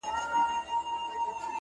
• د زړه په كور كي دي بل كور جوړكړی؛